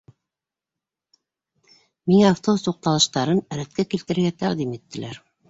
— Миңә автобус туҡталыштарын рәткә килтерергә тәҡдим иттеләр.